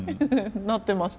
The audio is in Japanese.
なってました